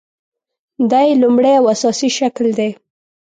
دا یې لومړۍ او اساسي شکل دی.